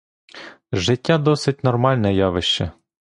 Життя досить нормальне явище.